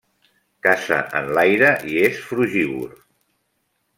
Caça en l'aire i és frugívor.